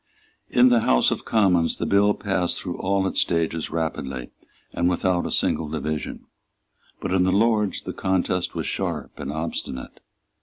In the House of Commons the bill passed through all its stages rapidly and without a single division. But in the Lords the contest was sharp and obstinate.